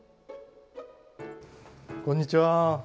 こんにちは。